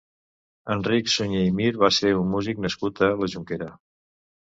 Enric Suñer i Mir va ser un músic nascut a la Jonquera.